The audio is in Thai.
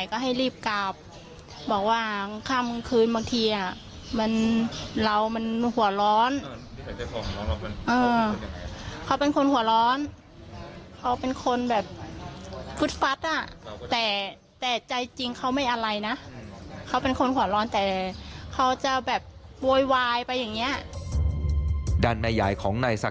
เขาไม่เคยพูดเลยเขาไม่เคยปีบปากพูดอะไรสักอย่าง